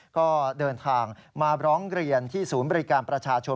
ก็เดินทางมาร้องเรียนที่ศูนย์บริการประชาชน